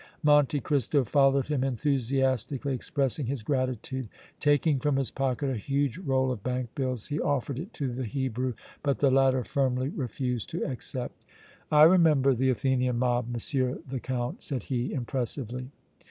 Monte Cristo followed him, enthusiastically expressing his gratitude; taking from his pocket a huge roll of bank bills, he offered it to the Hebrew, but the latter firmly refused to accept. "I remember the Athenian mob, M. the Count!" said he, impressively.